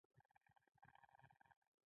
بند سړک ته پام پکار دی.